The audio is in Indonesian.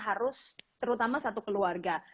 harus terutama satu keluarga